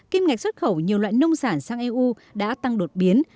kim ngạch xuất khẩu nhiều loại nông sản sang eu đã tăng đột biến